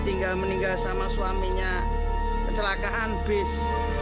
tinggal meninggal sama suaminya kecelakaan bus